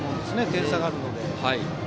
点差があるので。